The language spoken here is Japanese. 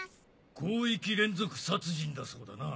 広域連続殺人だそうだな。